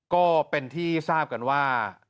ก็เป็นที่ทราบกันว่า